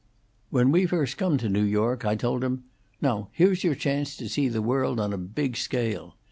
"When we first come to New York, I told him, Now here's your chance to see the world on a big scale.